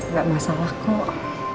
gak masalah kok